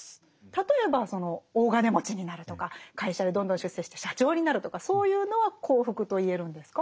例えばその大金持ちになるとか会社でどんどん出世して社長になるとかそういうのは幸福と言えるんですか？